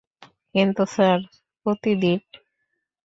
কিন্তু, স্যার, প্রতিদিন?